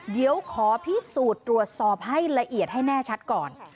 เดี๋ยวขอพิสูจน์ตรวจสอบให้ละเอียดให้แน่ชัดก่อน